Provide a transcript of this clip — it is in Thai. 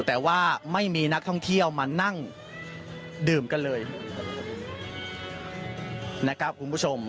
แต่ว่าไม่มีนักท่องเที่ยวมานั่งดื่มกันเลยนะครับคุณผู้ชม